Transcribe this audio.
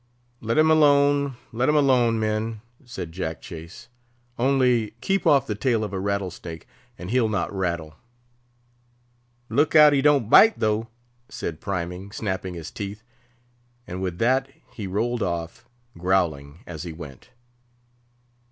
"Let him alone, let him alone, men," said Jack Chase. "Only keep off the tail of a rattlesnake, and he'll not rattle." "Look out he don't bite, though," said Priming, snapping his teeth; and with that he rolled off, growling as he went.